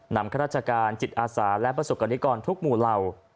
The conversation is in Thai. ข้าราชการจิตอาสาและประสบกรณิกรทุกหมู่เหล่า